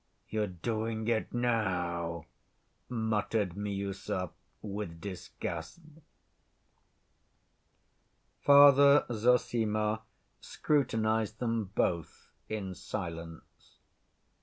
"You're doing it now," muttered Miüsov, with disgust. Father Zossima scrutinized them both in silence.